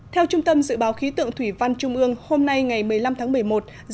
theo trung tâm dự báo khí tượng thủy văn trung ương hôm nay ngày một mươi năm tháng một mươi một